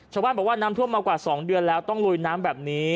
ชาวบ้านบอกว่าน้ำท่วมมากว่า๒เดือนแล้วต้องลุยน้ำแบบนี้